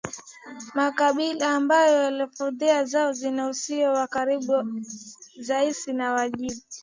Makabila ambayo lafudhi zao zina uhusiano wa karibu zaisi na Wajita